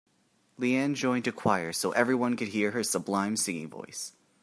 Leanne joined a choir so everyone could hear her sublime singing voice.